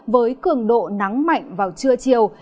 với cường độ nắng mạnh vào trưa chiều